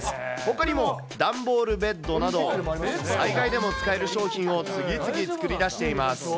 ほかにも段ボールベッドなど、災害でも使える商品を次々作り出しています。